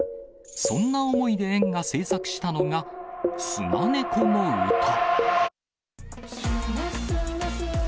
そんな思いで園が制作したのが、スナネコのうた。